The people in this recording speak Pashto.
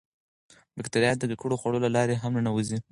باکتریاوې د ککړو خوړو له لارې هم ننوځي.